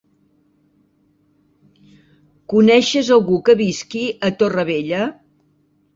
Coneixes algú que visqui a Torrevella?